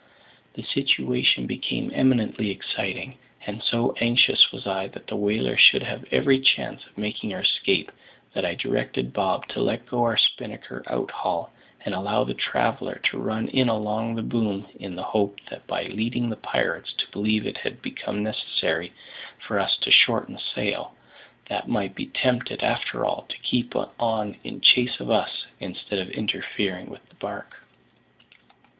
The situation became eminently exciting; and so anxious was I that the whaler should have every chance of making her escape, that I directed Bob to let go our spinnaker out haul, and allow the traveller to run in along the boom, in the hope that, by leading the pirates to believe it had become necessary for us to shorten sail, they might be tempted, after all, to keep on in chase of us, instead of interfering with the barque.